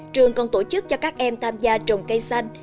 trường còn tổ chức cho các em tham gia trồng cây xanh